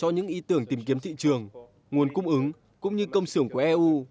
với những ý tưởng tìm kiếm thị trường nguồn cung ứng cũng như công sưởng của eu